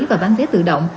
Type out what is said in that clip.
và bán vé tự động